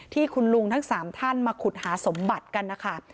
ที่คุณลุงทั้ง๓ท่านมาขุดหาสมบัติกันนะคะ